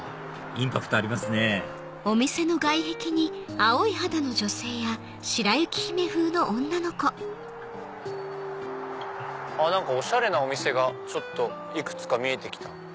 インパクトありますねおしゃれなお店がちょっといくつか見えてきた。